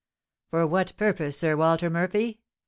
"For what purpose, Sir Walter Murphy?